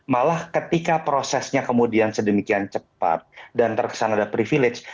malah ketika prosesnya kemudian sedemikian cepat dan terkesan ada privilege